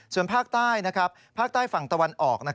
ส่วนภาคใต้ภาคใต้ฝั่งตะวันออก